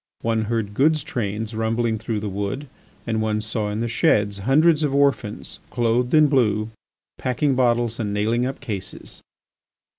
One heard goods trains rumbling through the Wood and one saw in the sheds hundreds of orphans clothed in blue, packing bottles and nailing up cases.